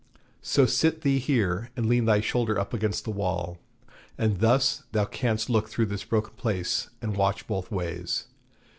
So sit thee here and lean thy shoulder up against the wall, and thus thou canst look through this broken place and watch both ways.